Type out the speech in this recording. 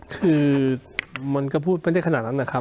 คือมันก็พูดไม่ได้ขนาดนั้นนะครับ